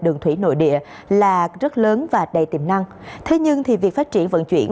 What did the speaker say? đường thủy nội địa là rất lớn và đầy tiềm năng thế nhưng việc phát triển vận chuyển